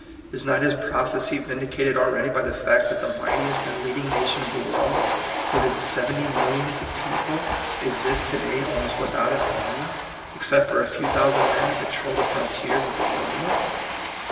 Is not his prophecy vindicated already by the fact that the mightiest and leading nation of the world, with its seventy millions of people, exists to day almost without an army, ex cept for a few thousand men to patrol the frontiers of the wilderness?